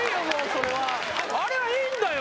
それはあれはいいんだよ